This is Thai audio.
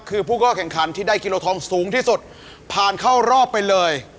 คุณตุ้ยได้กระจ่าย